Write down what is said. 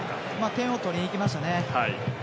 点を取りにいきましたね。